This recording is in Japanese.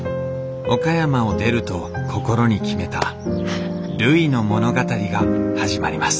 岡山を出ると心に決めたるいの物語が始まります